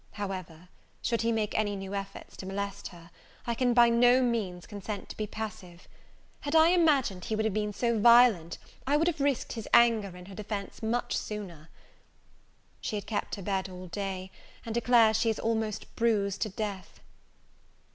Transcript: However, should he make any new efforts to molest her, I can by no means consent to be passive. Had I imagined he would have been so violent, I would have risked his anger in her defense much sooner. She had kept her bed all day, and declares she is almost bruised to death.